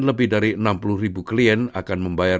lebih dari enam puluh ribu klien akan membayar